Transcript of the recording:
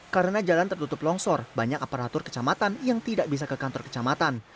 karena jalan tertutup longsor banyak aparatur kecamatan yang tidak bisa ke kantor kecamatan